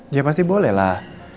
ya pasti boleh lah